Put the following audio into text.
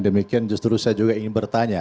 demikian justru saya juga ingin bertanya